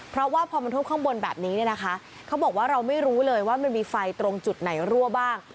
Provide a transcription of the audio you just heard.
เพราะว่าพอมันท่วมข้างบนแบบนี้เนี่ยนะคะเขาบอกว่าเราไม่รู้เลยว่ามันมีไฟตรงจุดไหนรั่วบ้าง